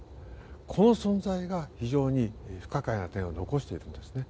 この存在が非常に不可解な点を残しているんですね。